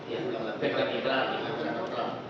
ya dekat dia